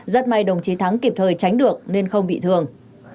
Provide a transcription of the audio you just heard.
rất may đồng chí thắng kịp thời tránh được nên không bị thương